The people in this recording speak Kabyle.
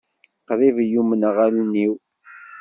Qṛib i yumneɣ allen-iw.